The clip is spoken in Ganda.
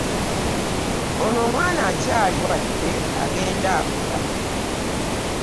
Ono omwana akyali, wadde agenda akula.